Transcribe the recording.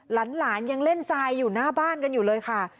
หลานยังเล่นทรายอยู่หน้าบ้านกันอยู่เลยค่ะ